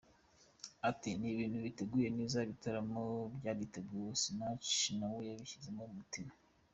Ati “Ni ibintu biteguye neza, igitaramo cyariteguwe, Snach na we yabishyize ku mutima.